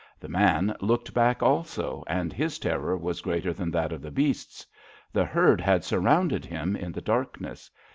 The man looked back also, and his terror was greater than that of the beasts. The herd had surrounded him in the darkness.